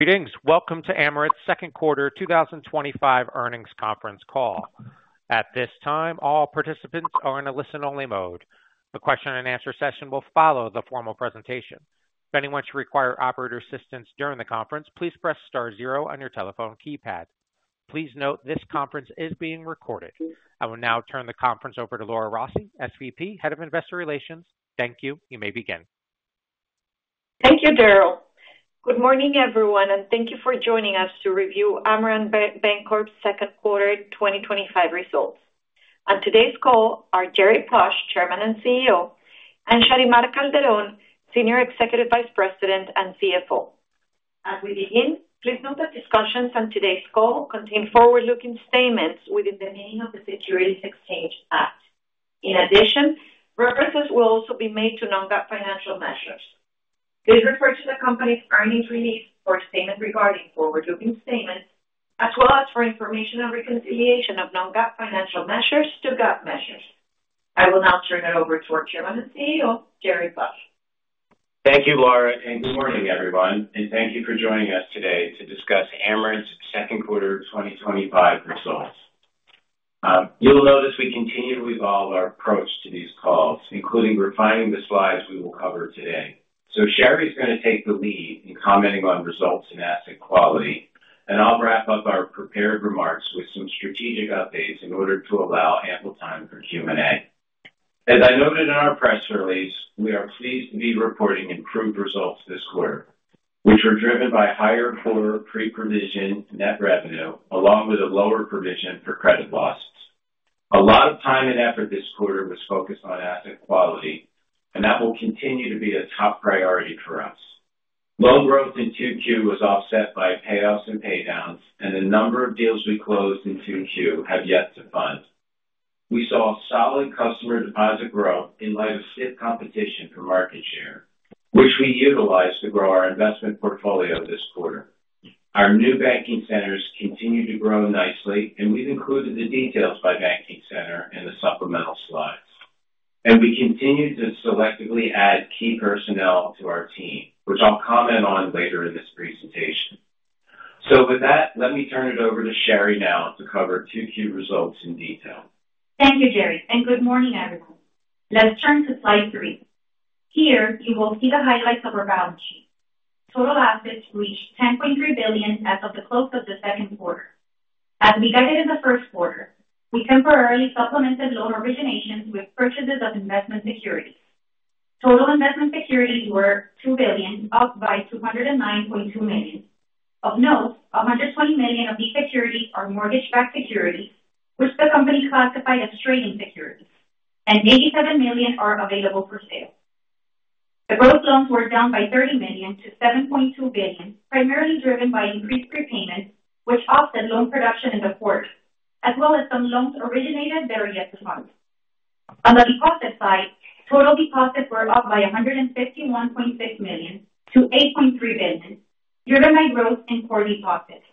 Greetings. Welcome to Amerant's second quarter 2025 earnings conference call. At this time, all participants are in a listen-only mode. The question-and-answer session will follow the formal presentation. If anyone should require operator assistance during the conference, please press star zero on your telephone keypad. Please note this conference is being recorded. I will now turn the conference over to Laura Rossi, SVP, Head of Investor Relations. Thank you. You may begin. Thank you, Daryl. Good morning, everyone, and thank you for joining us to review Amerant Bancorp Inc.'s second quarter 2025 results. On today's call are Jerry Plush, Chairman and CEO, and Sharymar Calderón, Senior Executive Vice President and CFO. As we begin, please note that discussions on today's call contain forward-looking statements within the meaning of the Securities Exchange Act. In addition, references will also be made to non-GAAP financial measures. Please refer to the company's earnings release or statement regarding forward-looking statements, as well as for information on reconciliation of non-GAAP financial measures to GAAP measures. I will now turn it over to our Chairman and CEO, Jerry Plush. Thank you, Laura, and good morning, everyone, and thank you for joining us today to discuss Amerant's second quarter 2025 results. You will notice we continue to evolve our approach to these calls, including refining the slides we will cover today. Shary is going to take the lead in commenting on results and asset quality, and I'll wrap up our prepared remarks with some strategic updates in OREO to allow ample time for Q&A. As I noted in our press release, we are pleased to be reporting improved results this quarter, which were driven by higher quarter pre-provision net revenue, along with a lower provision for credit losses. A lot of time and effort this quarter was focused on asset quality, and that will continue to be a top priority for us. Loan growth in 2Q was offset by payoffs and paydowns, and the number of deals we closed in 2Q have yet to fund. We saw solid customer deposit growth in light of stiff competition for market share, which we utilized to grow our investment portfolio this quarter. Our new banking centers continue to grow nicely, and we've included the details by banking center in the supplemental slides. We continue to selectively add key personnel to our team, which I'll comment on later in this presentation. With that, let me turn it over to Shary now to cover 2Q results in detail. Thank you, Jerry, and good morning, everyone. Let's turn to slide three. Here you will see the highlights of our balance sheet. Total assets reached $10.3 billion as of the close of the second quarter. As we guided in the first quarter, we temporarily supplemented loan originations with purchases of investment securities. Total investment securities were $2 billion, up by $209.2 million. Of note, $120 million of these securities are mortgage-backed securities, which the company classified as trading securities, and $87 million are available for sale. The growth loans were down by $30 million-$7.2 billion, primarily driven by increased prepayments, which offset loan production in the quarter, as well as some loans originated better yet months. On the deposit side, total deposits were up by $151.6 million-$8.3 billion, driven by growth in core deposits.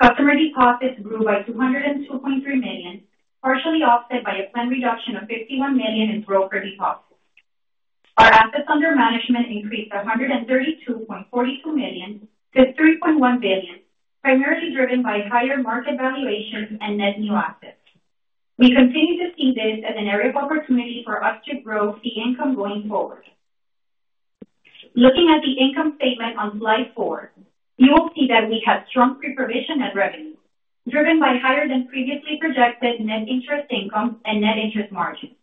Customer deposits grew by $202.3 million, partially offset by a slight reduction of $51 million in brokered deposits. Our assets under management increased $132.42 million-$3.1 billion, primarily driven by higher market valuations and net new assets. We continue to see this as an area of opportunity for us to grow the income going forward. Looking at the income statement on slide four, you will see that we had strong pre-provision net revenue, driven by higher than previously projected net interest income and net interest margins.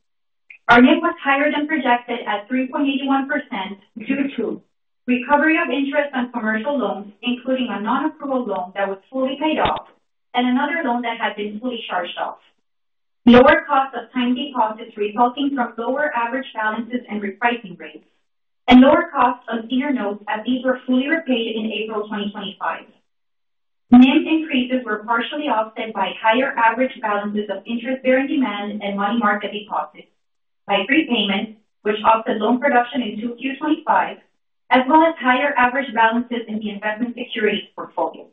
Our net was higher than projected at 3.81% due to recovery of interest on commercial loans, including a non-accrual loan that was fully paid off and another loan that had been fully charged off. Lower costs of time deposits resulting from lower average balances and repricing rates, and lower costs on our notes as these were fully repaid in April 2025. Demand increases were partially offset by higher average balances of interest-bearing demand and money market deposits, by prepayments, which offset loan production in 2Q 2025, as well as higher average balances in the investment securities portfolio.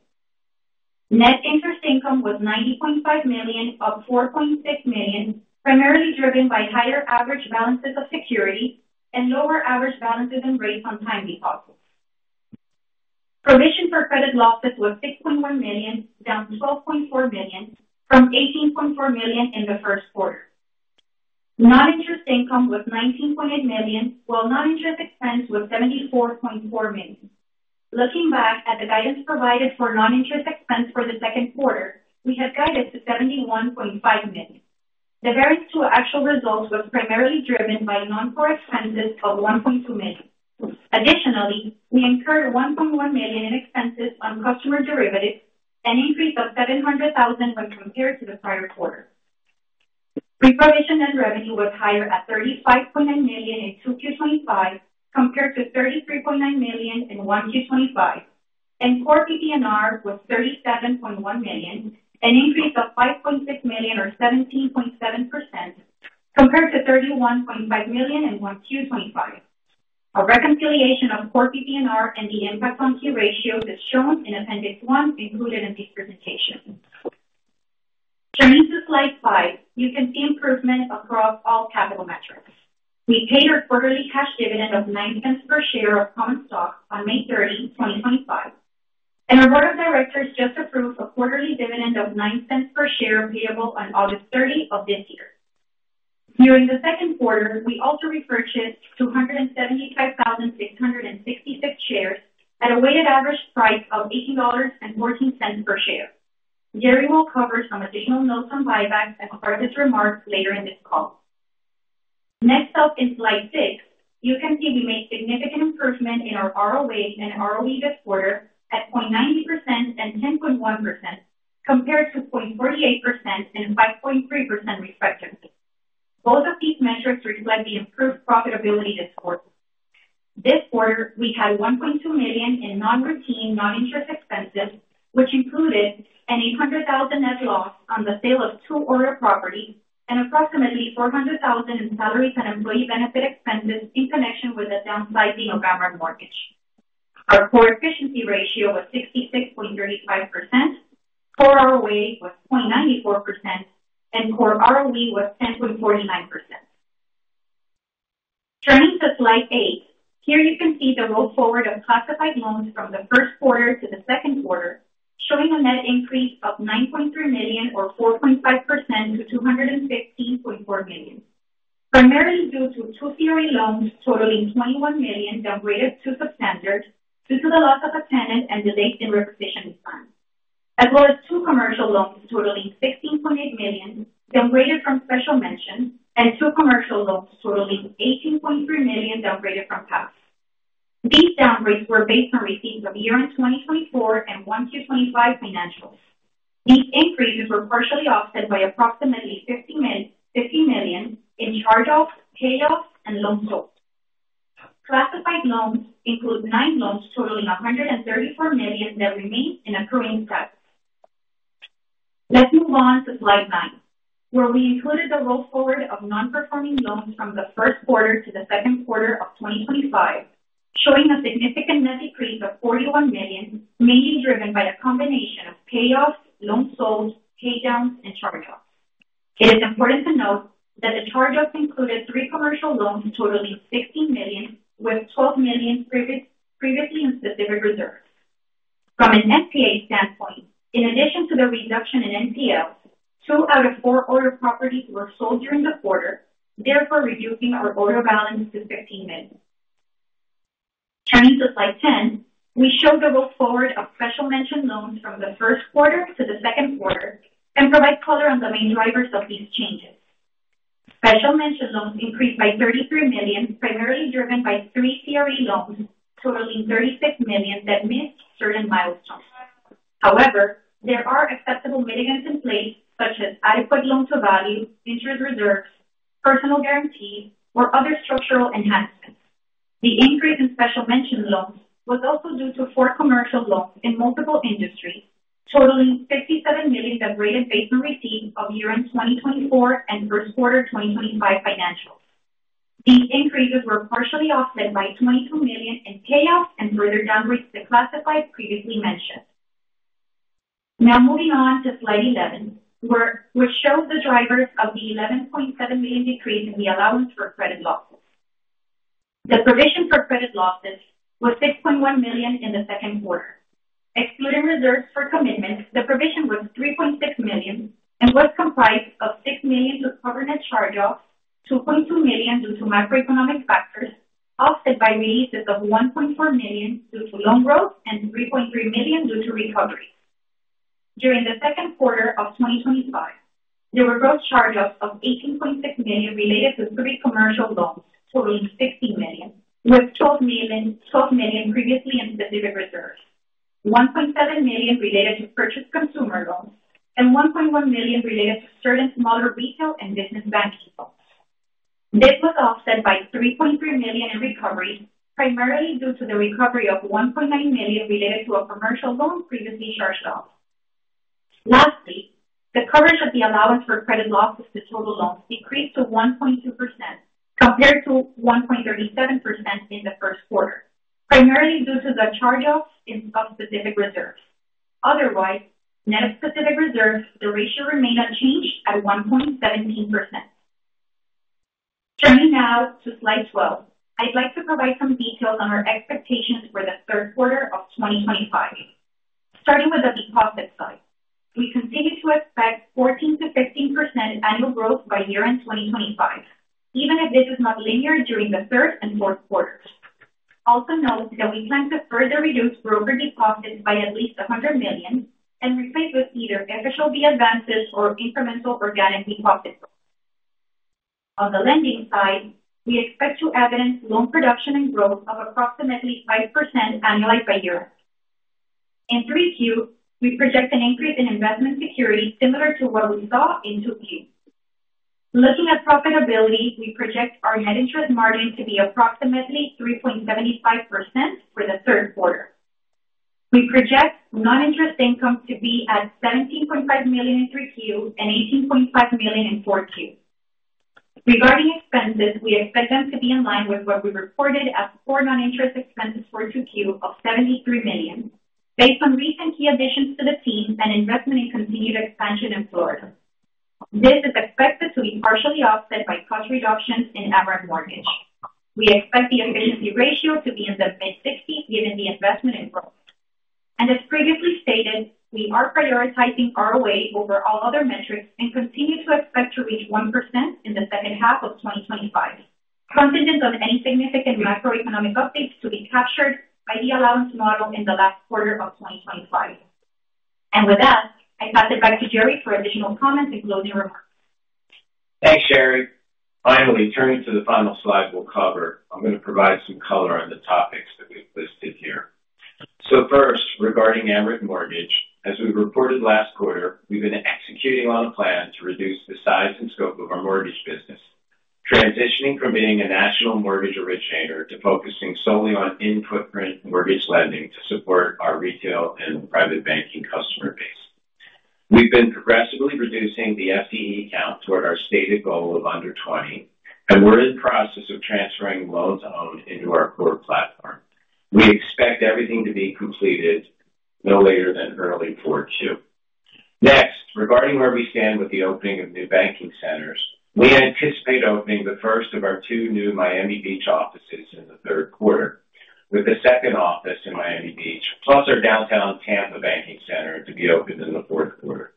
Net interest income was $90.5 million, up $4.6 million, primarily driven by higher average balances of securities and lower average balances and rates on time deposits. Provision for credit losses was $6.1 million, down $12.4 million from $18.4 million in the first quarter. Non-interest income was $19.8 million, while non-interest expense was $74.4 million. Looking back at the guidance provided for non-interest expense for the second quarter, we had guided to $71.5 million. The variance to actual results was primarily driven by non-core expenses of $1.2 million. Additionally, we incurred $1.1 million in expenses on customer derivatives, an increase of $700,000 when compared to the prior quarter. Pre-provision net revenue was higher at $35.9 million in 2Q 2025 compared to $33.9 million in 1Q 2025, and core PPNR was $37.1 million, an increase of $5.6 million or 17.7% compared to $31.5 million in 1Q 2025. A reconciliation on core PPNR and the impact on Q ratio is shown in appendix one included in this presentation. To read the slide five, you can see improvements across all capital metrics. We paid our quarterly cash dividend of $0.09 per share of common stock on May 30, 2025, and our board of directors just approved a quarterly dividend of $0.09 per share payable on August 30 of this year. During the second quarter, we also repurchased 275,666 shares at a weighted average price of $18.14 per share. Jerry will cover some additional notes on buybacks as part of his remarks later in this call. Next up in slide six, you can see we made significant improvement in our ROA and ROE this quarter at 0.90% and 10.1% compared to 0.48% and 5.3% respectively. Both of these metrics reflect the improved profitability this quarter. This quarter, we had $1.2 million in non-routine non-interest expenses, which included an $800,000 net loss on the sale of two older properties and approximately $400,000 in salaries and employee benefit expenses in connection with the downsizing of Amerant mortgage. Our core efficiency ratio was 66.35%, core ROA was 0.94%, and core ROE was 10.49%. Turning to slide eight, here you can see the roll forward of classified loans from the first quarter to the second quarter, showing a net increase of $9.3 million or 4.5%-$215.4 million, primarily due to two CRE loans totaling $21 million downgraded to substandard due to the loss of a tenant and the leaked and requisitioned funds, as well as two commercial loans totaling $16.8 million downgraded from special mention and two commercial loans totaling $18.3 million downgraded from pass. These downgrades were based on receipts of the year in 2024 and 1Q 2025 financials. These increases were partially offset by approximately $50 million in charge-offs, payoffs, and loans sold. Classified loans include nine loans totaling $134 million that remain in accruing status. Let's move on to slide nine, where we included the roll forward of non-performing loans from the first quarter to the second quarter of 2025, showing a significant net increase of $41 million, mainly driven by a combination of payoffs, loans sold, paydowns, and charge-offs. It is important to note that the charge-offs included three commercial loans totaling $16 million, with $12 million previously in specific reserves. From an NPA standpoint, in addition to the reduction in NPL, two out of four other properties were sold during the quarter, therefore reducing our OREO balance to $15 million. Turning to slide ten, we show the roll forward of special mention loans from the first quarter to the second quarter and provide color on the main drivers of these changes. Special mention loans increased by $33 million, primarily driven by three CRE loans totaling $36 million that missed certain milestones. However, there are acceptable mitigants in place, such as adequate loan-to-value, interest reserves, personal guarantees, or other structural enhancements. The increase in special mention loans was also due to four commercial loans in multiple industries, totaling $57 million downgraded based on receipt of year-end 2024 and first quarter 2025 financials. These increases were partially offset by $22 million in payoffs and further downgrades to classified previously mentioned. Now moving on to slide 11, which shows the drivers of the $11.7 million decrease in the allowance for credit loss. The provision for credit losses was $6.1 million in the second quarter. Excluding reserves for commitments, the provision was $3.6 million and was comprised of $6 million recorded as charge-offs, $2.2 million due to macroeconomic factors, offset by releases of $1.4 million due to loan growth, and $3.3 million due to recovery. During the second quarter of 2025, there were gross charge-offs of $18.6 million related to three commercial loans totaling $16 million, with $12 million previously in specific reserves, $1.7 million related to purchased consumer loans, and $1.1 million related to certain smaller retail and business banking loans. This was offset by $3.3 million in recoveries, primarily due to the recovery of $1.9 million related to a commercial loan previously charged off. Lastly, the coverage of the allowance for credit losses to total loans decreased to 1.2% compared to 1.37% in the first quarter, primarily due to the charge-offs in some specific reserves. Otherwise, net of specific reserves, the ratio remained unchanged at 1.17%. Turning now to slide 12, I'd like to provide some details on our expectations for the third quarter of 2025. Starting with the deposit side, we continue to expect 14%-5% annual growth by year in 2025, even if this is not linear during the third and fourth quarters. Also note that we plan to further reduce broker deposits by at least $100 million and replace with either FHLB advances or incremental organic deposits. On the lending side, we expect to evidence loan production and growth of approximately 5% annualized by year. In 3Q, we project an increase in investment securities similar to what we saw in 2Q. Looking at profitability, we project our net interest margin to be approximately 3.75% for the third quarter. We project non-interest income to be at $17.5 million in 3Q and $18.5 million in 4Q. Regarding expenses, we expect them to be in line with what we reported as core non-interest expenses for 2Q of $73 million based on recent key additions to the team and investment in continued expansion in Florida. This is expected to be partially offset by cost reductions in Amerant Mortgage. We expect the efficiency ratio to be in the mid-60s during the investment income. As previously stated, we are prioritizing ROA over all other metrics and continue to expect to reach 1% in the second half of 2025, contingent on any significant macroeconomic updates to be captured by the allowance model in the last quarter of 2025. With that, I pass it back to Jerry for additional comments and closing remarks. Thanks, Shary. Finally, turning to the final slide we'll cover, I'm going to provide some color on the topics we've listed here. First, regarding Amerant Mortgage, as we've reported last quarter, we've been executing on a plan to reduce the size and scope of our mortgage business, transitioning from being a national mortgage originator to focusing solely on in-footprint mortgage lending to support our retail and private banking customer base. We've been progressively reducing the FTE count toward our stated goal of under 20, and we're in the process of transferring loans owned into our core platform. We expect everything to be completed no later than early 4Q. Next, regarding where we stand with the opening of new banking centers, we anticipate opening the first of our two new Miami Beach offices in the third quarter, with the second office in Miami Beach, plus our downtown Tampa banking center to be open in the fourth quarter.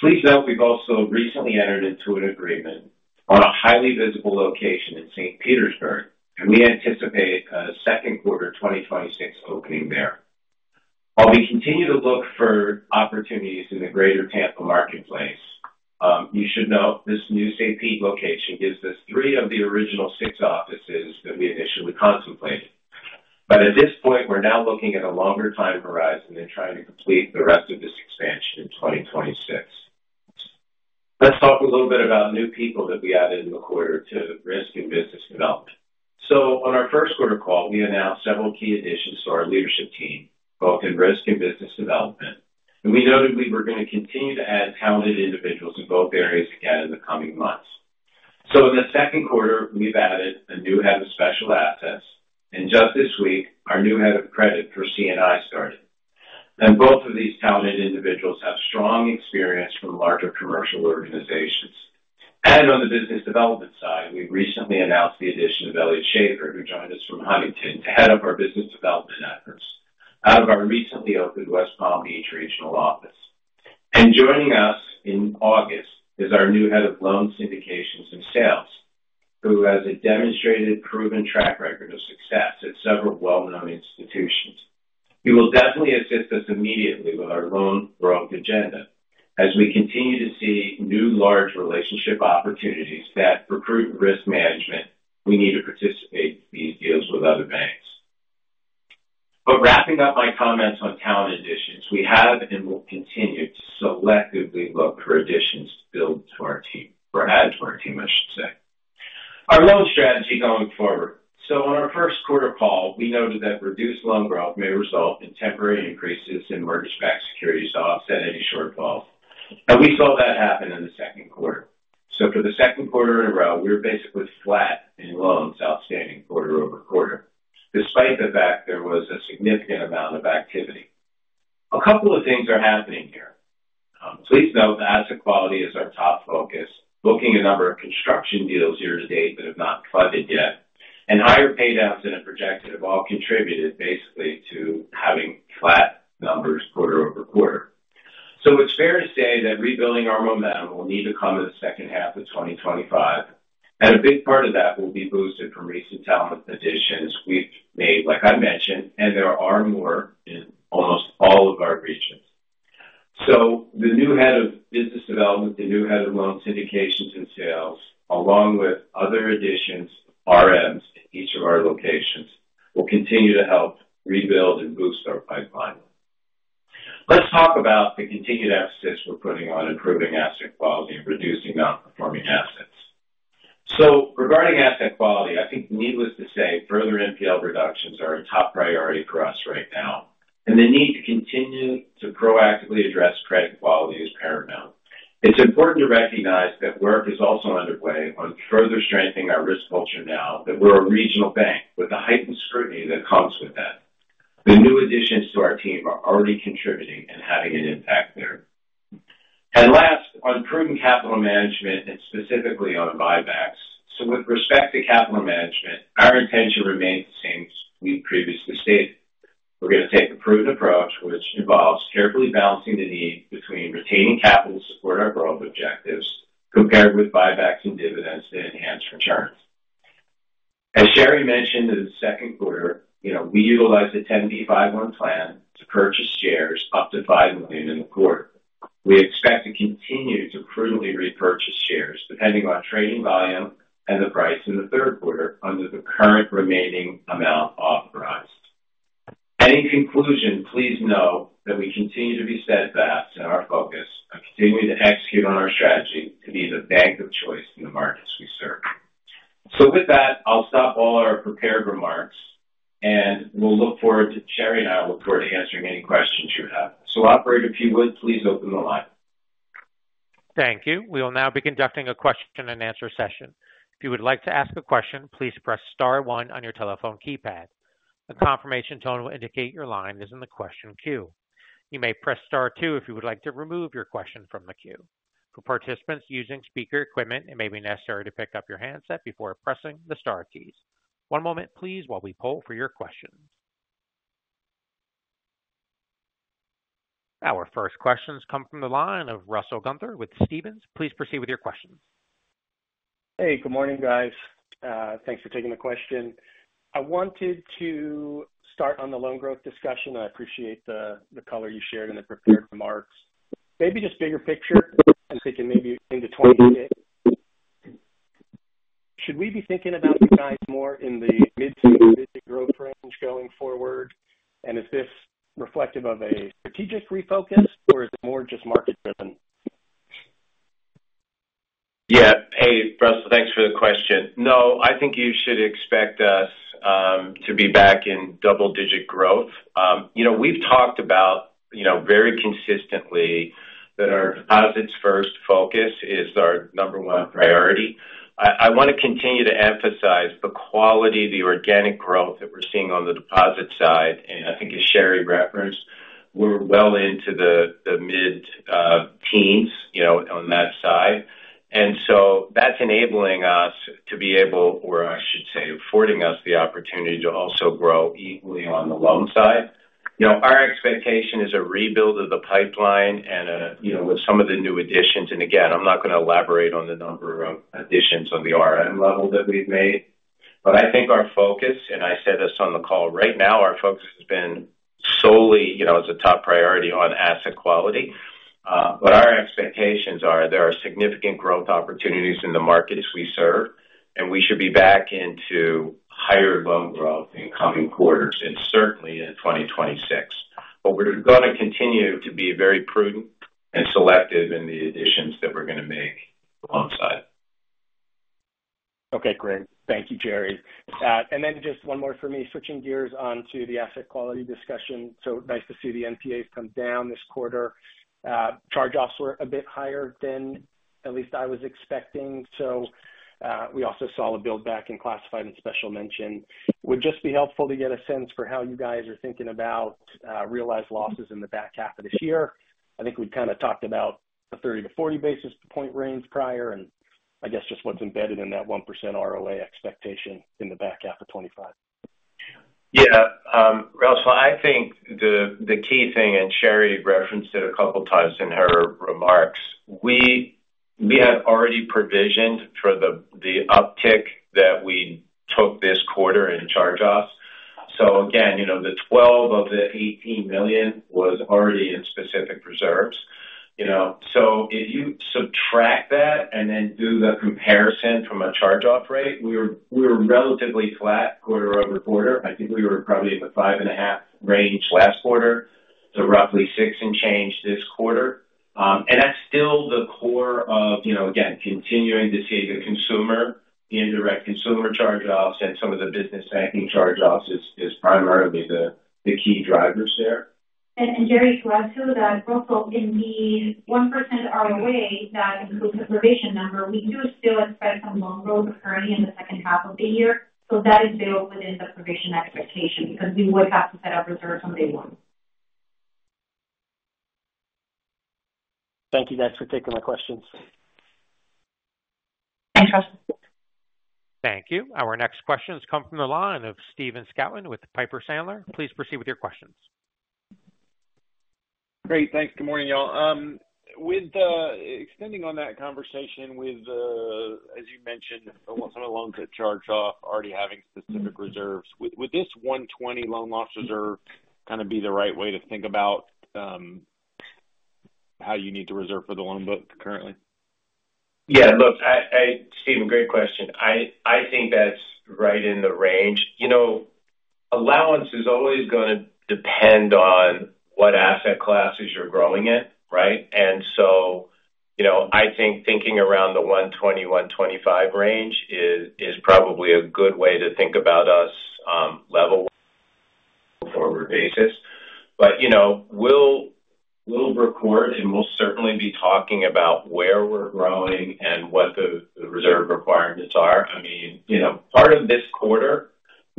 Please note we've also recently entered into an agreement on a highly visible location in St. Petersburg. We anticipate a second quarter of 2026 opening there. While we continue to look for opportunities in the greater Tampa marketplace, you should note this new St. Pete location gives us three of the original six offices that we initially contemplated. At this point, we're now looking at a longer time horizon and trying to complete the rest of this expansion in 2026. Let's talk a little bit about new people that we added in the quarter to risk and business development. On our first quarter call, we announced several key additions to our leadership team, both in risk and business development. We noted we were going to continue to add talented individuals in both areas again in the coming months. In the second quarter, we've added a new Head of Special Assets, and just this week, our new Head of Credit for C&I started. Both of these talented individuals have strong experience from larger commercial organizations. On the business development side, we've recently announced the addition of Elliot Shafer, who joined us from Huntington, Head of our business development efforts out of our recently opened West Palm Beach regional office. Joining us in August is our new Head of Loan Syndications and Sales, who has a demonstrated proven track record of success at several well-known institutions. He will definitely assist us immediately with our loan growth agenda as we continue to see new large relationship opportunities that recruit risk management. We need to participate in these deals with other banks. Wrapping up my comments on talent additions, we have and will continue to selectively look for additions to build to our team, or add to our team, I should say. Our loan strategy going forward. On our first quarter call, we noted that reduced loan growth may result in temporary increases in mortgage-backed securities to offset any shortfalls, and we saw that happen in the second quarter. For the second quarter in a row, we're basically flat in loans outstanding quarter over quarter, despite the fact there was a significant amount of activity. A couple of things are happening here. Please note that asset quality is our top focus, looking at a number of construction deals year to date that have not funded yet, and higher paid asset projections have all contributed basically to having flat numbers quarter-over-quarter. It's fair to say that rebuilding our momentum will need to come in the second half of 2025, and a big part of that will be boosted from recent talent additions we've made. Like I mentioned, there are more of all of our recent. The new Head of Business Development, the new Head of Loan Syndications and Sales, along with other additions, RMs in each of our locations, will continue to help rebuild and boost our pipeline. Let's talk about the continued assets we're putting on, improving asset quality, and reducing non-performing assets. Regarding asset quality, I think needless to say, further NPL reductions are a top priority for us right now, and the need to continue to proactively address credit quality is paramount. It's important to recognize that work is also underway on further strengthening our risk culture now that we're a regional bank with the heightened scrutiny that comes with that. The new additions to our team are already contributing and having an impact there. Last, on prudent capital management and specifically on buybacks. With respect to capital management, our intention remains the same as we previously stated. We're going to take the prudent approach, which involves carefully balancing the need between retaining capital to support our growth objectives, combined with buybacks and dividends to enhance returns. As Shary mentioned, in the second quarter, we utilized the 10b5-1 plan to purchase shares up to $5 million in the quarter. We expect to continue to prudently repurchase shares, depending on trading volume and the price in the third quarter under the current remaining amount authorized. In conclusion, please note that we continue to be steadfast in our focus, continuing to execute on our strategy to be the bank of choice in the markets we serve. With that, I'll stop all our prepared remarks, and we'll look forward to sharing it out. We'll look forward to answering any questions you have. Operator, if you would, please open the line. Thank you. We will now be conducting a question and answer session. If you would like to ask a question, please press star one on your telephone keypad. A confirmation tone will indicate your line is in the question queue. You may press star two if you would like to remove your question from the queue. For participants using speaker equipment, it may be necessary to pick up your handset before pressing the star keys. One moment, please, while we poll for your questions. Our first questions come from the line of Russell Gunther with Stephens. Please proceed with your question. Hey, good morning, guys. Thanks for taking the question. I wanted to start on the loan growth discussion, I appreciate the color you shared in the prepared remarks. Maybe just bigger picture. I'm thinking maybe into 2028. Should we be thinking about these guys more in the mid to mid-growth range going forward? Is this reflective of a strategic refocus, or is it more just market driven? Yeah. Hey, Russell, thanks for the question. No, I think you should expect us to be back in double-digit growth. We've talked about, you know, very consistently that our deposits first focus is our number one priority. I want to continue to emphasize the quality of the organic growth that we're seeing on the deposit side, and I think as Shary referenced, we're well into the mid-teens, you know, on that side. That's enabling us to be able, or I should say, affording us the opportunity to also grow evenly on the loan side. Our expectation is a rebuild of the pipeline and, you know, with some of the new additions, and again, I'm not going to elaborate on the number of additions on the RM level that we've made. I think our focus, and I said this on the call right now, our focus has been solely, you know, as a top priority on asset quality. Our expectations are there are significant growth opportunities in the markets we serve, and we should be back into higher loan growth coming quarters, and certainly in 2026. We're going to continue to be very prudent and selective in the additions that we're going to make alongside. Okay, great. Thank you, Jerry. Just one more for me, switching gears on to the asset quality discussion. Nice to see the NPAs come down this quarter. Charge-offs were a bit higher than at least I was expecting. We also saw a buildback in classified and special mention. It would just be helpful to get a sense for how you guys are thinking about realized losses in the back half of this year. I think we kind of talked about the 30-40 basis point range prior, and I guess just what's embedded in that 1% ROA expectation in the back half of 2025. Yeah, Russell, I think the key thing, and Shary referenced it a couple of times in her remarks, we had already provisioned for the uptick that we took this quarter in charge-offs. Again, the $12 million of the $18 million was already in specific reserves. If you subtract that and then do the comparison from a charge-off rate, we were relatively flat quarter-over-quarter. I think we were probably in the 5.5 last quarter to roughly six and change this quarter. That's still the core of, again, continuing to see the consumer, the indirect consumer charge-offs, and some of the business banking charge-offs is primarily the key drivers there. Jerry, I'd say to that, Russell, in the 1% ROA, that is the provision number. We do still expect some loan growth currently in the second half of the year. That is available within the provision expectation because we would have to set up reserves on day one. Thank you, guys, for taking my questions. Thank you. Our next questions come from the line of Stephen Scouten with Piper Sandler. Please proceed with your questions. Great. Thanks. Good morning, y'all. Extending on that conversation, as you mentioned, if someone wants a loan to charge off, already having specific reserves, would this $120 loan loss reserve kind of be the right way to think about how you need to reserve for the loan book currently? Yeah, look, Stephen, great question. I think that's right in the range. Allowance is always going to depend on what asset classes you're growing it, right? I think thinking around the $120, $125 range is probably a good way to think about us level-forward basis. We'll record and we'll certainly be talking about where we're growing and what the reserve requirements are. Part of this quarter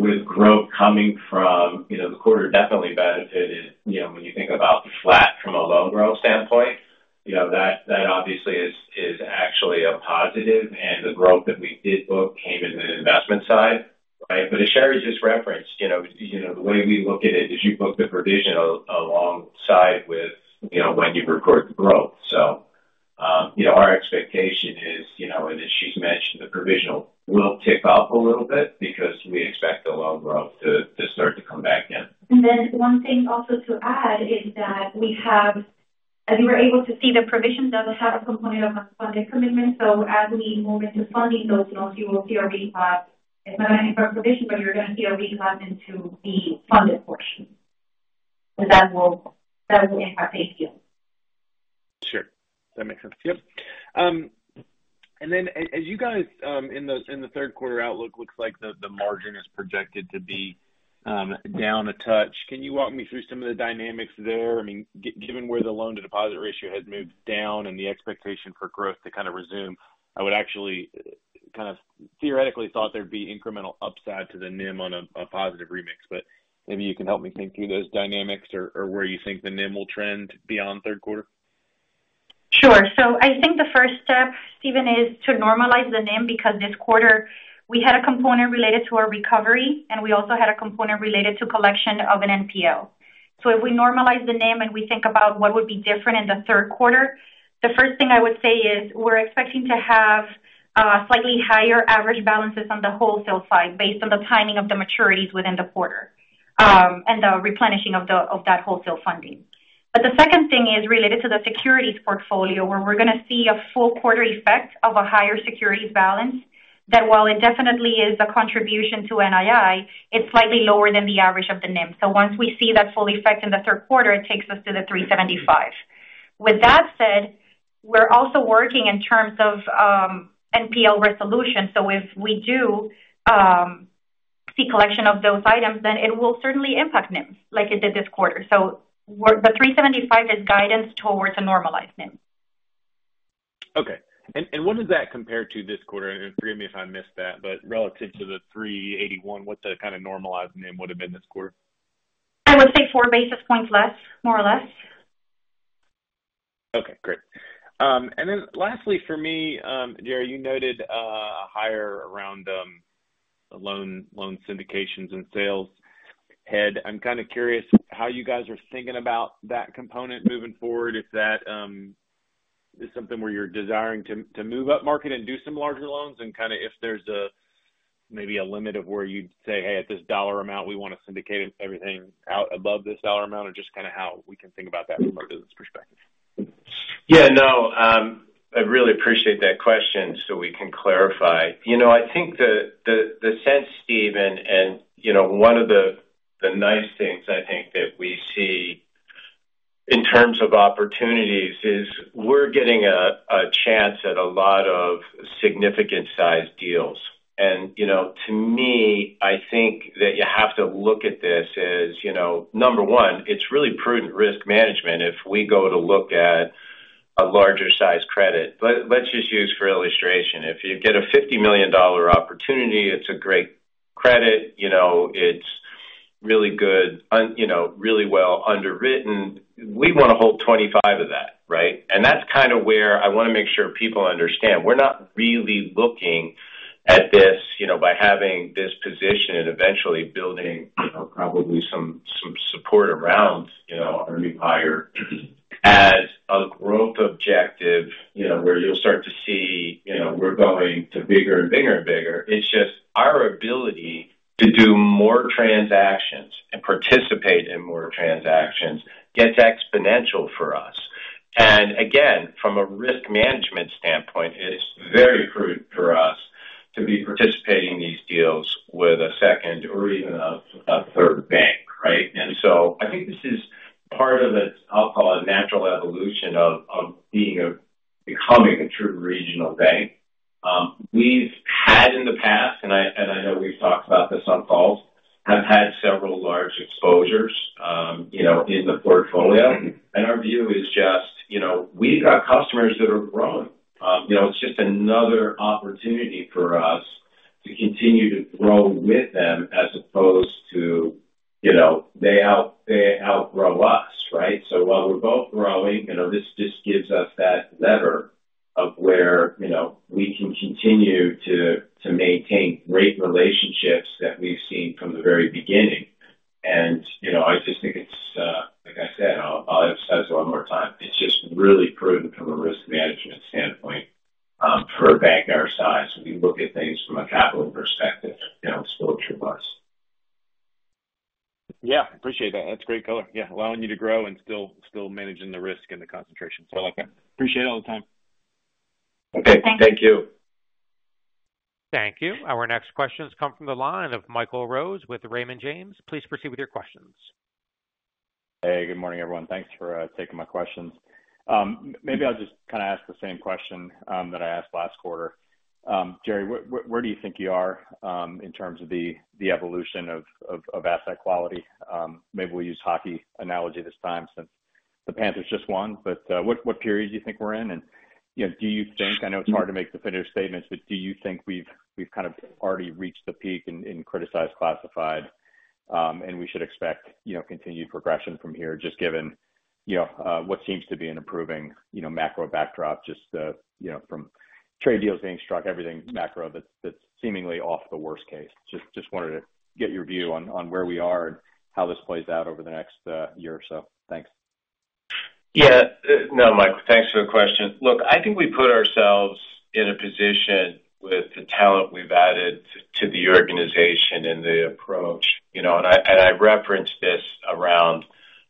with growth coming from, the quarter definitely benefited when you think about the flat from a loan growth standpoint. That obviously is actually a positive and the growth we did book came in the investment side, right? As Shary just referenced, the way we look at it is you book the provision alongside with when you record the growth. Our expectation is, and as she's mentioned, provision will tick up a little bit because we expect the loan growth to start to come back. One thing also to add is that we were able to see the provision does have a component of a funded commitment. As we move into funding those loans, you will see a rehab. It's not going to hit the provision, but you're going to see a rehab into the funded portion. That will impact the NPL. Sure, that makes sense. Yep. In the third quarter outlook, it looks like the margin is projected to be down a touch. Can you walk me through some of the dynamics there? I mean, given where the loan-to-deposit ratio has moved down and the expectation for growth to kind of resume, I would actually kind of theoretically thought there'd be incremental upside to the NIM on a positive remix. Maybe you can help me think through those dynamics or where you think the NIM will trend beyond third quarter? Sure. I think the first step, Stephen, is to normalize the NIM because this quarter we had a component related to our recovery, and we also had a component related to collection of an NPL. If we normalize the NIM and we think about what would be different in the third quarter, the first thing I would say is we're expecting to have slightly higher average balances on the wholesale side based on the timing of the maturities within the quarter and the replenishing of that wholesale funding. The second thing is related to the securities portfolio, where we're going to see a full quarter effect of a higher securities balance that while definitely is a contribution to NII, it's slightly lower than the average of the NIM. Once we see that full effect in the third quarter, it takes us to the 3.75%. With that said, we're also working in terms of NPL resolution. If we do see collection of those items, then it will certainly impact NIMs like it did this quarter. The 3.75% is guidance towards a normalized NIM. Okay. What does that compare to this quarter? Forgive me if I missed that, but relative to the 381, what the kind of normalized NIM would have been this quarter? I would say 4 basis points less, more or less. Okay, great. Lastly for me, Jerry, you noted a higher around loan syndications and sales head. I'm kind of curious how you guys are thinking about that component moving forward. Is that something where you're desiring to move up market and do some larger loans? If there's maybe a limit of where you'd say, "Hey, at this dollar amount, we want to syndicate everything out above this dollar amount," or just kind of how we can think about that from a business perspective? Yeah, no, I really appreciate that question so we can clarify. I think the sense, Stephen, and one of the nice things I think that we see in terms of opportunities is we're getting a chance at a lot of significant-size deals. To me, I think that you have to look at this as, number one, it's really prudent risk management if we go to look at a larger size credit. Let's just use for illustration, if you get a $50 million opportunity, it's a great credit. It's really good, really well underwritten. We want to hold $25 million of that, right? That's kind of where I want to make sure people understand. We're not really looking at this by having this position and eventually building probably some support around our new buyer as a growth objective, where you'll start to see we're going to bigger and bigger and bigger. It's just our ability to do more transactions and participate in more transactions gets exponential for us. Again, from a risk management standpoint, it's very prudent for us to be participating in these deals with a second or even a third bank, right? I think this is part of the, I'll call it, natural evolution of being a combinator regional bank. We've had in the past, and I know we've talked about this on calls, have had several large exposures in the portfolio. Our view is just we've got customers that are growing. It's just another opportunity for us to continue to grow with them as opposed to they outgrow us, right? While we're both growing, this just gives us that lever of where we can continue to maintain great relationships that we've seen from the very beginning. I just think it's, like I said, I'll buy it as one more time. It's just really prudent from a risk. Yeah, I appreciate that. That's great color. Allowing you to grow and still managing the risk and the concentration. I like that. Appreciate it all the time. Thank you. Thank you. Our next questions come from the line of Michael Rose with Raymond James. Please proceed with your questions. Hey, good morning, everyone. Thanks for taking my questions. Maybe I'll just kind of ask the same question that I asked last quarter. Jerry, where do you think you are in terms of the evolution of asset quality? Maybe we'll use a hockey analogy this time since the Panthers just won, but what period do you think we're in? Do you think, I know it's hard to make definitive statements, but do you think we've kind of already reached the peak in criticized classified and we should expect continued progression from here, just given what seems to be an improving macro backdrop, just from trade deals being struck, everything macro that's seemingly off the worst case. Just wanted to get your view on where we are and how this plays out over the next year or so. Thanks. Yeah, no, Mike, thanks for the question. Look, I think we put ourselves in a position with the talent we've added to the organization and the approach, you know, I referenced this around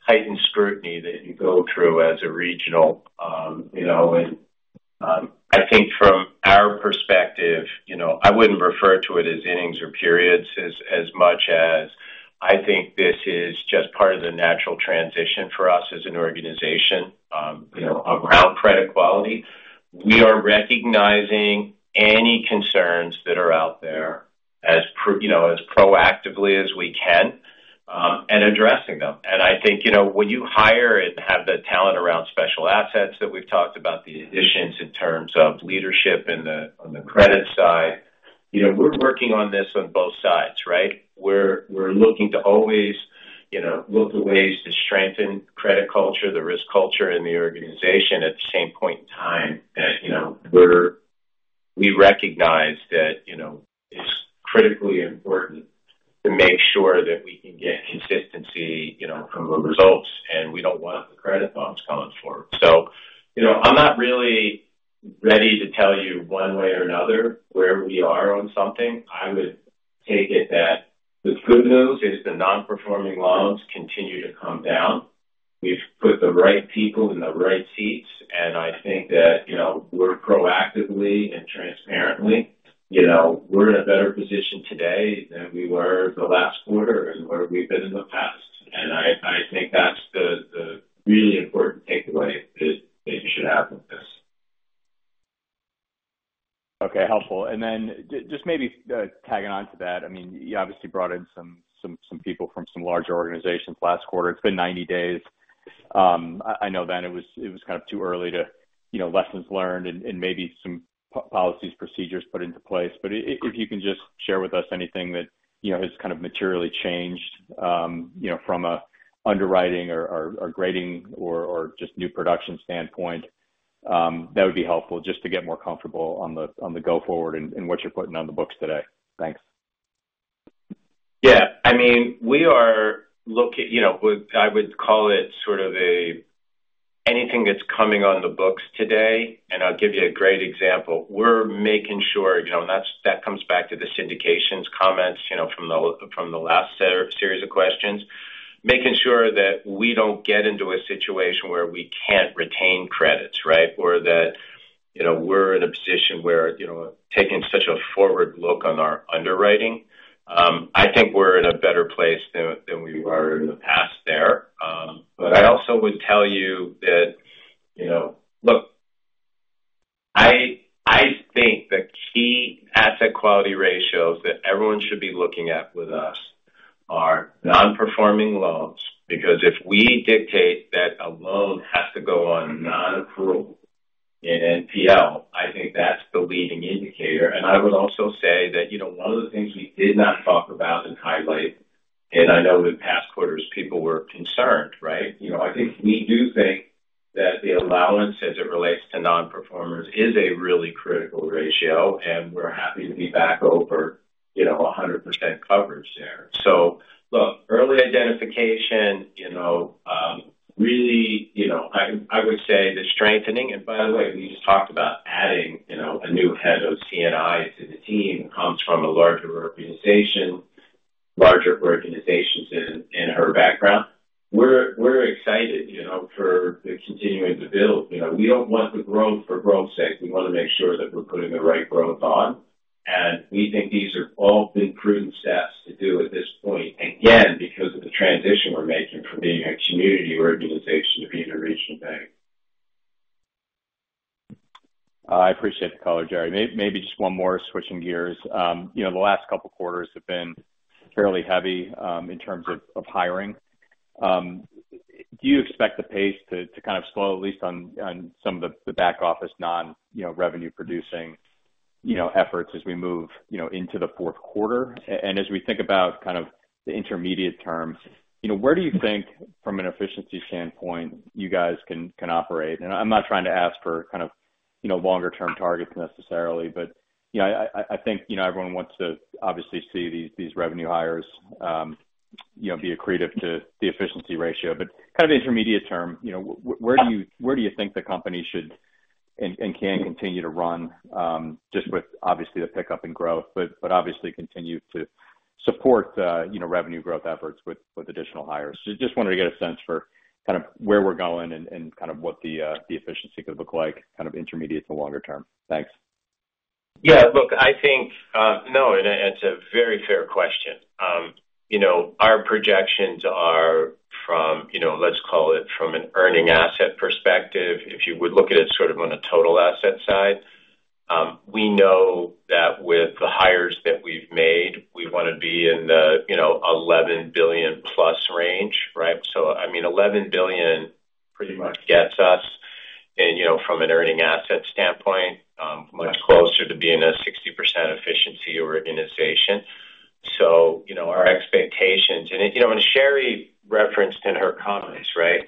heightened scrutiny that you go through as a regional, you know, I think from our perspective, I wouldn't refer to it as innings or periods as much as I think this is just part of the natural transition for us as an organization around credit quality. We are recognizing any concerns that are out there as proactively as we can and addressing them. I think when you hire and have the talent around special assets that we've talked about, the additions in terms of leadership and the credit side, we're working on this on both sides, right? We're looking to always look for ways to strengthen credit culture, the risk culture, and the organization at the same point in time. We recognize that it's critically important to make sure that we can get consistency from the results, and we don't want the credit loss going forward. I'm not really ready to tell you one way or another where we are on something. I would take it that the good news is the non-performing loans continue to come down. We've put the right people in the right seats, and I think that we're proactively and transparently, we're in a better position today than we were the last quarter or we've been in the. Okay, helpful. Maybe tagging on to that, you obviously brought in some people from some larger organizations last quarter. It's been 90 days. I know then it was kind of too early to, you know, lessons learned and maybe some policies, procedures put into place. If you can just share with us anything that has kind of materially changed from an underwriting or grading or just new production standpoint, that would be helpful just to get more comfortable on the go-forward and what you're putting on the books today. Thanks. Yeah, I mean, we are looking, I would call it sort of anything that's coming on the books today, and I'll give you a great example. We're making sure, and that comes back to the syndications comments from the last series of questions, making sure that we don't get into a situation where we can't retain credits, right? Or that we're in a position where, taking such a forward look on our underwriting, I think we're in a better place than we were in the past there. I also would tell you that, look, I think the key asset quality ratios that everyone should be looking at with us are non-performing loans because if we dictate that a loan has to go on another approval in NPL, I think that's the leading indicator. I would also say that one of the things we did not talk about as highly, and I know in past quarters people were concerned, I think we do think that the allowance as it relates to non-performers is a really critical ratio, and we're happy to be back over 100% coverage there. Look, early identification, really, I would say the strengthening, and by the way, we just talked about adding a new Head of C&I to the team who comes from a larger organization, larger organizations in America. We're excited for continuing to build. We don't want the growth for growth's sake. We want to make sure that we're putting the right growth on. We think these are all big prudent steps to do at this point, again, because of the transition we're making for being a community organization. I appreciate the color, Jerry. Maybe just one more switching gears. The last couple of quarters have been fairly heavy in terms of hiring. Do you expect the pace to kind of slow, at least on some of the back office, non, you know, revenue-producing efforts as we move into the fourth quarter? As we think about kind of the intermediate terms, where do you think from an efficiency standpoint you guys can operate? I'm not trying to ask for kind of longer-term targets necessarily, but I think everyone wants to obviously see these revenue hires be accretive to the efficiency ratio. Kind of the intermediate term, where do you think the company should and can continue to run, just with obviously the pickup in growth, but obviously continue to support revenue growth efforts with additional hires? Just wanted to get a sense for kind of where we're going and kind of what the efficiency could look like, kind of intermediate to longer term. Thanks. Yeah, look, I think, no, and it's a very fair question. You know, our projections are from, you know, let's call it from an earning asset perspective, if you would look at it sort of on a total asset side. We know that with the hires that we've made, we want to be in the, you know, $11 billion+ range, right? I mean, $11 billion pretty much gets us, and you know, from an earning asset standpoint, much closer to being a 60% efficiency organization. You know, our expectations, and you know, when Shary referenced in her comments, right,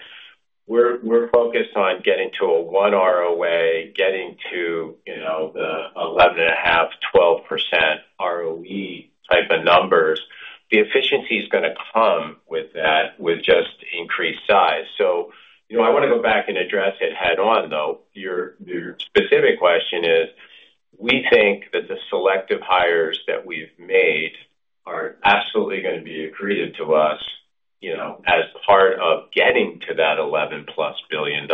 we're focused on getting to a 1% ROA, getting to, you know, the 11.5%, 12% ROE type of numbers. The efficiency is going to come with that, with just increased size. I want to go back and address it head-on, though. Your specific question is, we think that the selective hires that we've made are absolutely going to be accretive to us, you know, as part of getting to that $11+ billion,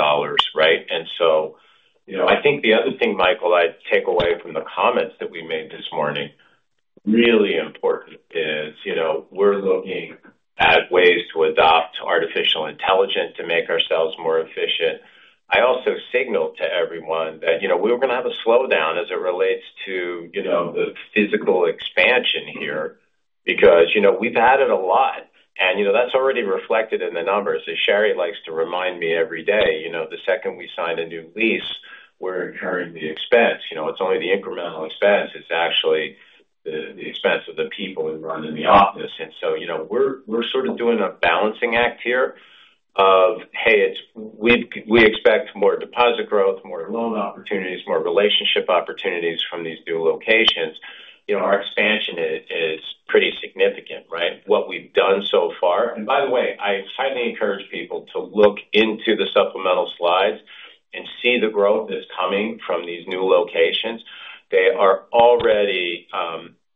right? I think the other thing, Michael, I'd take away from the comments that we made this morning, really important is, you know, we're looking at ways to adopt artificial intelligence to make ourselves more efficient. I also signaled to everyone that, you know, we were going to have a slowdown as it relates to, you know, the physical expansion here because, you know, we've added a lot. That's already reflected in the numbers that Shary likes to remind me every day. The second we signed a new lease, we're incurring the expense. It's only the incremental expense. It's actually the expense of the people who run in the office. We're sort of doing a balancing act here of, hey, we expect more deposit growth, more loan opportunities, more relationship opportunities from these new locations. Our expansion is pretty significant, right? What we've done so far, and by the way, I highly encourage people to look into the supplemental slides and see the growth that's coming from these new locations. They are already,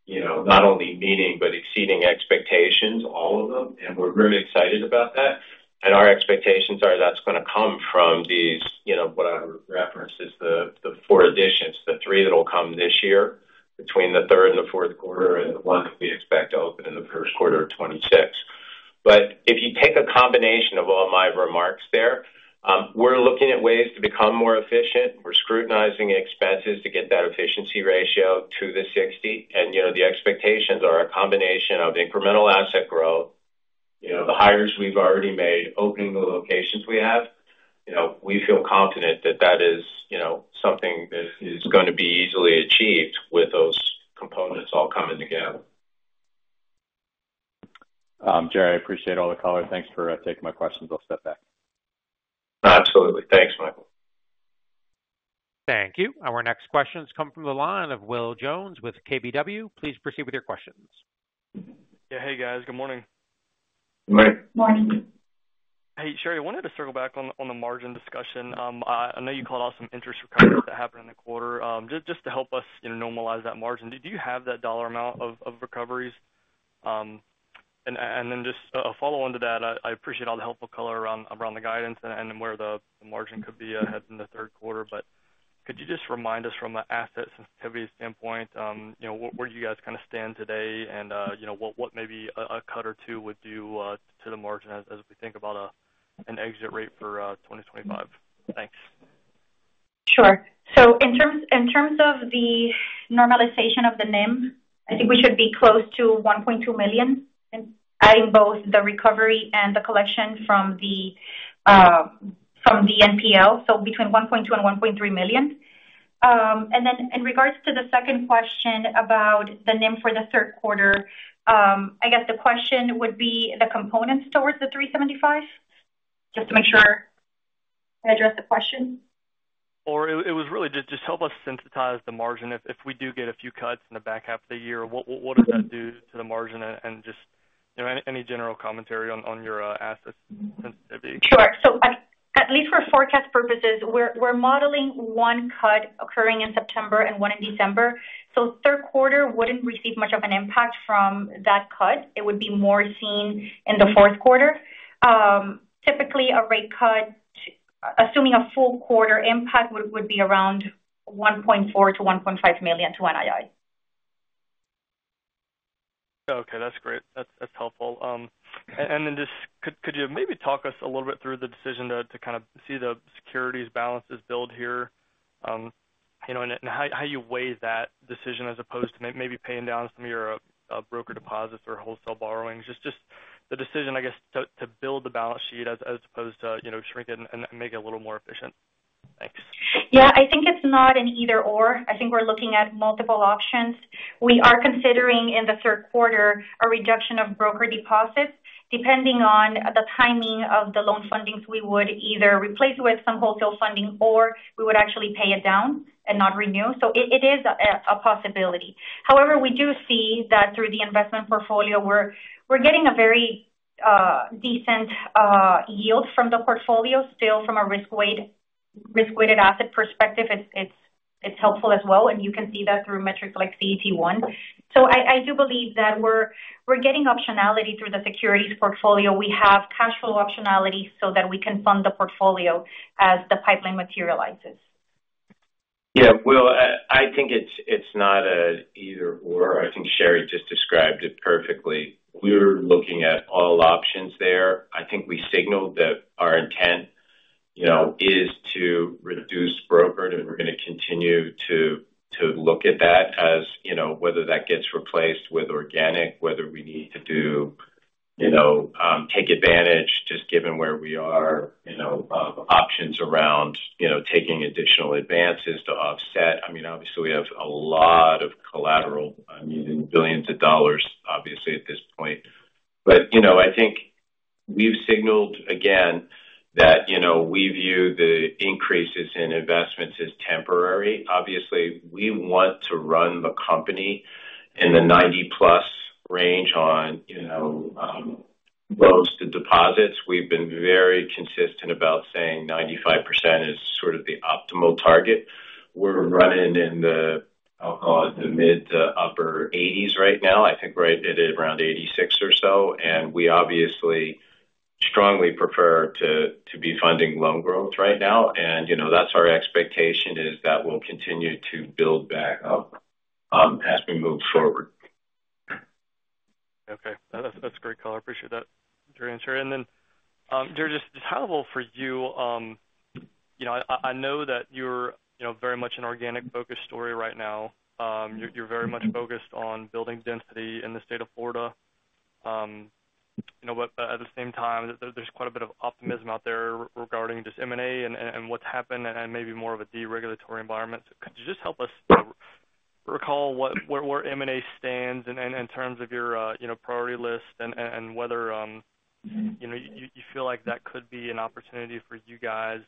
you know, not only meeting but exceeding expectations, all of them, and we're really excited about that. Our expectations are that's going to come from these, you know, what I referenced as the four additions, the three that will come this year between the third and the fourth quarter and the one that we expect to open in the first quarter of 2026. If you take a combination of all my remarks there, we're looking at ways to become more efficient. We're scrutinizing expenses to get that efficiency ratio to the 60. The expectations are a combination of incremental asset growth, the hires we've already made, opening the locations we have. We feel confident that that is something that is going to be easily achieved with those components all coming together. Jerry, I appreciate all the color. Thanks for taking my questions. I'll step back. Absolutely. Thanks, Michael. Thank you. Our next questions come from the line of Will Jones with KBW. Please proceed with your questions. Yeah, hey guys, good morning. Good morning. Morning. Hey Shary, I wanted to circle back on the margin discussion. I know you called out some interest recoveries that happened in the quarter just to help us, you know, normalize that margin. Do you have that dollar amount of recoveries? I appreciate all the helpful color around the guidance and where the margin could be ahead in the third quarter. Could you just remind us from an asset sensitivity standpoint, you know, where do you guys kind of stand today and, you know, what maybe a cut or two would do to the margin as we think about an exit rate for 2025? Thanks. Sure. In terms of the normalization of the NIM, I think we should be close to $1.2 million in both the recovery and the collection from the NPL, so between $1.2 and $1.3 million. In regards to the second question about the NIM for the third quarter, I guess the question would be the components towards the 375, just to make sure I address the question. It was really to just help us sensitize the margin. If we do get a few cuts in the back half of the year, what does that do to the margin? Any general commentary on your asset sensitivity? At least for forecast purposes, we're modeling one cut occurring in September and one in December. The third quarter wouldn't receive much of an impact from that cut. It would be more seen in the fourth quarter. Typically, a rate cut, assuming a full quarter impact, would be around $1.4-$1.5 million to NII. Okay, that's great. That's helpful. Could you maybe talk us a little bit through the decision to kind of see the securities balances build here? You know, how you weigh that decision as opposed to maybe paying down some of your brokered deposits or wholesale borrowing? Just the decision, I guess, to build the balance sheet as opposed to, you know, shrink it and make it a little more efficient. Thanks. Yeah, I think it's not an either-or. I think we're looking at multiple options. We are considering in the third quarter a reduction of brokered deposits depending on the timing of the loan fundings. We would either replace with some wholesale funding, or we would actually pay it down and not renew. It is a possibility. However, we do see that through the investment portfolio, we're getting a very decent yield from the portfolio still from a risk-weighted asset perspective. It's helpful as well, and you can see that through metrics like CET1. I do believe that we're getting optionality through the securities portfolio. We have cash flow optionality so that we can fund the portfolio as the pipeline materializes. I think it's not an either-or. I think Shary just described it perfectly. We're looking at all options there. I think we signaled that our intent is to reduce brokerage. We're going to continue to look at that as whether that gets replaced with organic, whether we need to take advantage, just given where we are, options around taking additional advances to offset. Obviously, we have a lot of collateral, billions of dollars, obviously, at this point. I think we've signaled again that we view the increases in investments as temporary. Obviously, we want to run the company in the 90+ range on loans to deposits. We've been very consistent about saying 95% is sort of the optimal target. We're running in the mid to upper 80s right now. I think we're right at around 86% or so. We obviously strongly prefer to be funding loan growth right now. That's our expectation is that we'll continue to build back up as we move forward. Okay, that's a great call. I appreciate that, Jerry and Shary, and then, Jerry, just how will for you, you know, I know that you're, you know, very much an organic focus story right now. You're very much focused on building density in the state of Florida. At the same time, there's quite a bit of optimism out there regarding just M&A and what's happened and maybe more of a deregulatory environment. Could you just help us recall where M&A stands in terms of your priority list and whether you feel like that could be an opportunity for you guys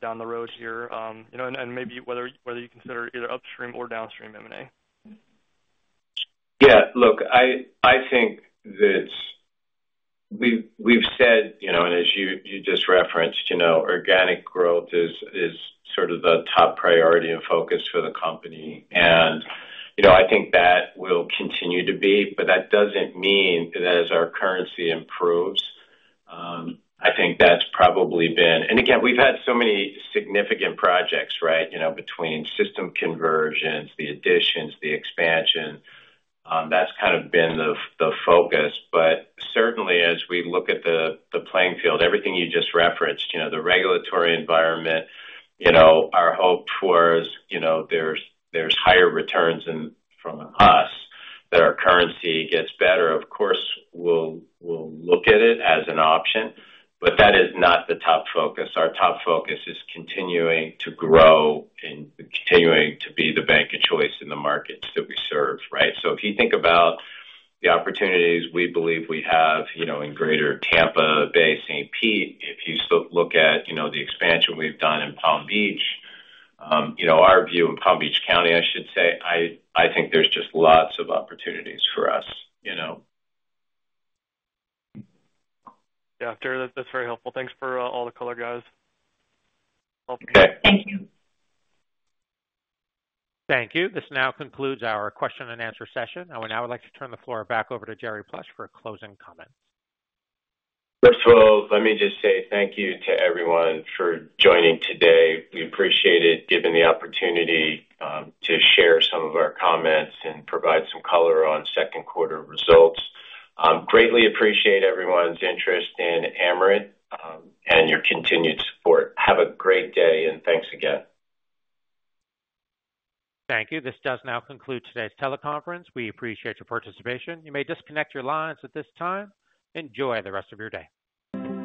down the road here, and maybe whether you consider either upstream or downstream M&A? Yeah, look, I think that we've said, you know, and as you just referenced, organic growth is sort of the top priority and focus for the company. I think that will continue to be, but that doesn't mean that as our currency improves, I think that's probably been, we've had so many significant projects, right? Between system conversions, the additions, the expansion, that's kind of been the focus. Certainly, as we look at the playing field, everything you just referenced, the regulatory environment, our hope for, there's higher returns from us that our currency gets better. Of course, we'll look at it as an option, but that is not the top focus. Our top focus is continuing to grow and continuing to be the bank of choice in the markets that we serve, right? If you think about the opportunities we believe we have in greater Tampa Bay, St. Pete. If you look at the expansion we've done in Palm Beach, our view in Palm Beach County, I should say, I think there's just lots of opportunities for us. Yeah, Jerry, that's very helpful. Thanks for all the color, guys. Thank you. This now concludes our question-and-answer session. I would now like to turn the floor back over to Jerry Plush for a closing comment. First of all, let me just say thank you to everyone for joining today. We appreciate it, given the opportunity to share some of our comments and provide some color on second-quarter results. Greatly appreciate everyone's interest in Amerant and your continued support. Have a great day and thanks again. Thank you. This does now conclude today's teleconference. We appreciate your participation. You may disconnect your lines at this time. Enjoy the rest of your day.